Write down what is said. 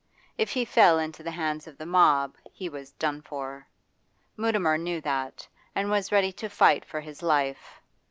If he fell into the hands of the mob he was done for; Mutimer knew that, and was ready to fight for his life.